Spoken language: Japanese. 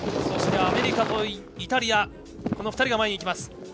そしてアメリカとイタリアが前に行きます。